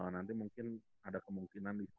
nanti mungkin ada kemungkinan di top